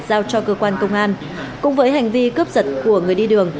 giao cho cơ quan công an cùng với hành vi cướp giật của người đi đường